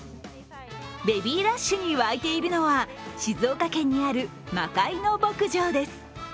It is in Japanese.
ベビーラッシュに沸いているのは静岡県にある、まかいの牧場です。